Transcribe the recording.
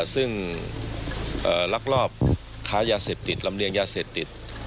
ซึ่งลักลอบค้ายาเสพติดลำเลียงยาเสพติด